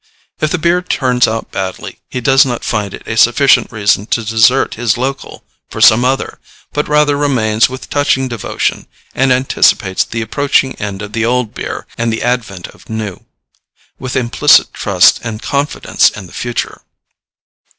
If the beer turns out badly, he does not find it a sufficient reason to desert his local for some other, but rather remains with touching devotion, and anticipates the approaching end of the old beer and the advent of new, with implicit trust and confidence in the future.